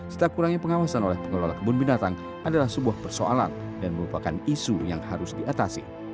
setelah kurangnya pengawasan oleh pengelola kebun binatang adalah sebuah persoalan dan merupakan isu yang harus diatasi